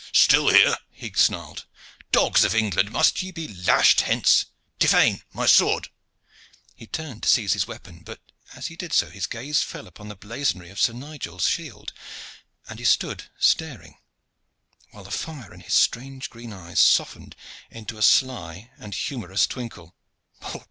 "Still here!" he snarled. "Dogs of England, must ye be lashed hence? Tiphaine, my sword!" He turned to seize his weapon, but as he did so his gaze fell upon the blazonry of sir Nigel's shield, and he stood staring, while the fire in his strange green eyes softened into a sly and humorous twinkle.